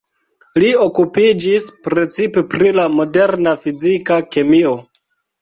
Li okupiĝis precipe pri la moderna fizika kemio.